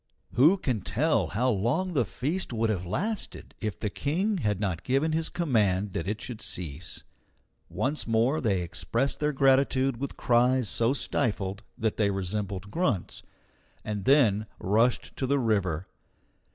Who can tell how long the feast would have lasted if the King had not given his command that it should cease? Once more they expressed their gratitude with cries so stifled that they resembled grunts, and then rushed to the river.